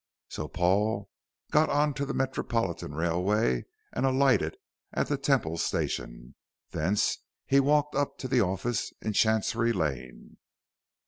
So Paul got on to the metropolitan railway and alighted at the Temple Station. Thence he walked up to the office in Chancery Lane.